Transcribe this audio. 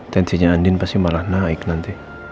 tensinya andin pasti malah naik nanti